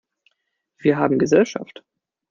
Wir haben Gesellschaft!